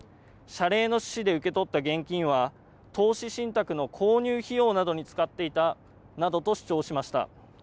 謝礼の趣旨で受け取った現金は投資信託の購入費用などに使っていたなどと主張しました。